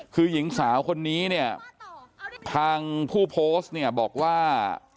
คือหญิงสาวคนนี้ทางผู้โพสต์บอกว่า